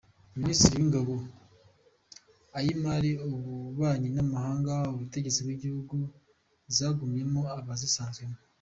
Ministeri y’ingabo, iy’imari ,ububanyi n’amahanga n’ubutegetsi bw’igihugu zagumyemo abazisanzwemo.